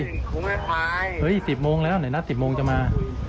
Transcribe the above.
เฮ้ย๑๐โมงแล้วไหนนะ๑๐โมงจะมา